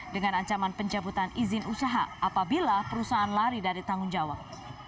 dengan ancaman pencabutan izin usaha apabila perusahaan lari dari tanggung jawab